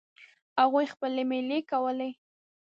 هغوی خپلې میلې کولې.